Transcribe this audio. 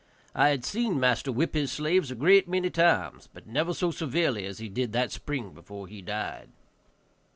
I had seen master whip his slaves a great many times, but never so severely as he did that spring before he died.